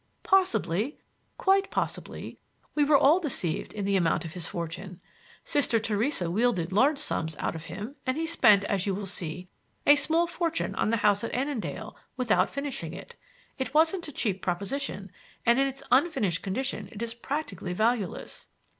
Possibly— quite possibly—we were all deceived in the amount of his fortune. Sister Theresa wheedled large sums out of him, and he spent, as you will see, a small fortune on the house at Annandale without finishing it. It wasn't a cheap proposition, and in its unfinished condition it is practically valueless.